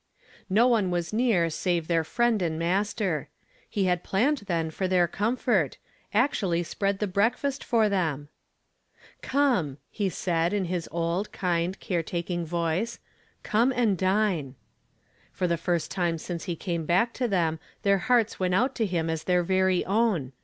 No one was near save their Friend and Master. He had planned, then, for their comfort, — actually spread the breakfast for them !" Come," he said, in his old, kind, care taking voice. "Come and dine." For the first time smce he came back to them their hearts went out to him as their very own